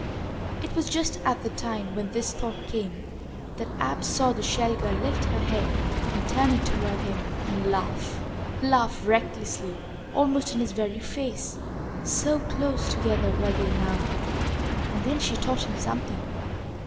It was just at the time when this thought came that Ab saw the Shell girl lift her head and turn it toward him and laugh laugh recklessly, almost in his very face, so close together were they now. And then she taught him something!